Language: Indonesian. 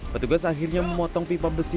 petugas akhirnya memotong pipa besi